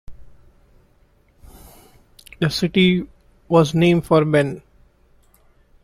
The city was named for Ben.